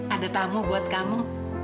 ada tamu buat kamu